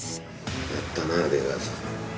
やったな出川さん